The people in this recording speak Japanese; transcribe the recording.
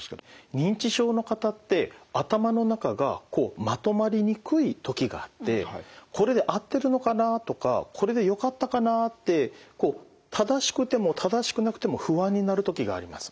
認知症の方って頭の中がこうまとまりにくい時があってこれで合ってるのかなとかこれでよかったかなって正しくても正しくなくても不安になる時があります。